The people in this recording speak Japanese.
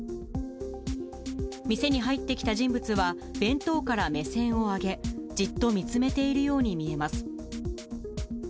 店に入ってきた人物は、弁当から目線を上げ、じっと見つめているように見えます。